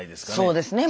そうですね。